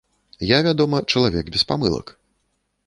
Я, вядома, чалавек без памылак.